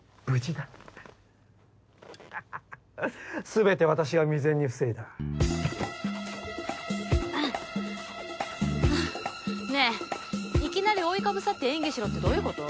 全て私が未然に防いだ。ねえいきなり覆いかぶさって演技しろってどういうこと？